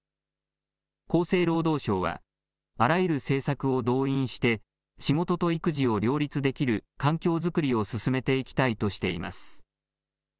厚生労働省はあらゆる政策を動員して仕事と育児を両立できる環境作りを進めていきたいとしています。